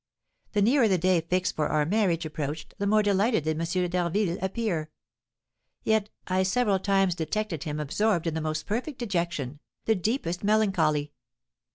The nearer the day fixed for our marriage approached, the more delighted did M. d'Harville appear. Yet I several times detected him absorbed in the most perfect dejection, the deepest melancholy.